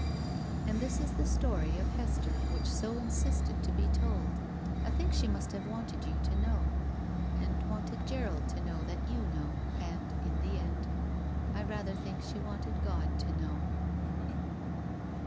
And this is the story of Hester which so insisted to be told. I think she must have wanted you to know. And wanted Gerald to know that you know, and, in the end, I rather think she wanted God to know.